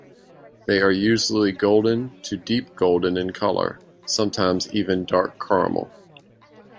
They are usually golden to deep golden in colour, sometimes even dark caramel.